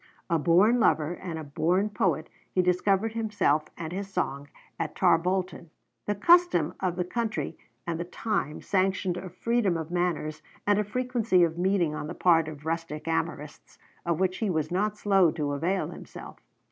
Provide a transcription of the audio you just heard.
A born lover, and a born poet, he discovered himself and his song at Tarbolton. The custom of the country and the time sanctioned a freedom of manners, and a frequency of meeting on the part of rustic amorists, of which he was not slow to avail himself.